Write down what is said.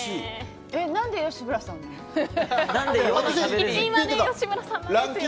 何で吉村さんなの？